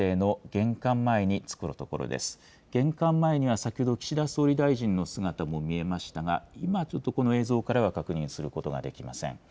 玄関前には先ほど、岸田総理大臣の姿も見えましたが、今、ちょっとこの映像からは確認することができません。